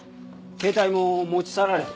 携帯も持ち去られてる。